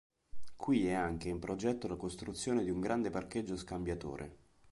Qui è anche in progetto la costruzione di un grande parcheggio scambiatore.